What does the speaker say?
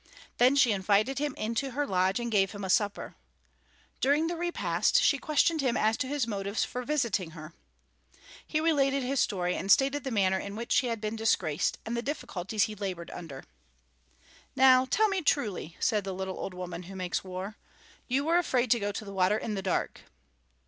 Then she invited him into her lodge and gave him a supper. During the repast she questioned him as to his motives for visiting her. He related his story and stated the manner in which he had been disgraced and the difficulties he labored under. "Now tell me truly," said the Little Old Woman Who Makes War, "you were afraid to go to the water in the dark."